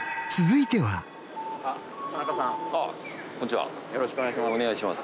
ああよろしくお願いします。